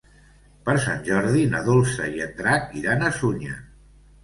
Per Sant Jordi na Dolça i en Drac iran a Sunyer.